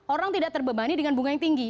orang tidak terbebani dengan bunga yang tinggi